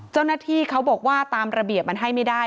เจ้าหน้าที่เขาบอกว่าตามระเบียบมันให้ไม่ได้